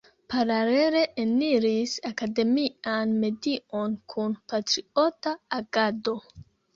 Paralele eniris akademian medion kun patriota agado.